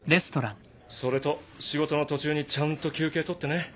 ・それと仕事の途中にちゃんと休憩取ってね。